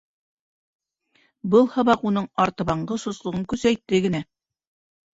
Был һабаҡ уның артабанғы сослоғон көсәйтте генә.